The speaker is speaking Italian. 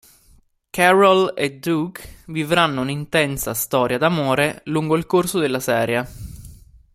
Carol e Doug vivranno un'intensa storia d'amore lungo il corso della serie.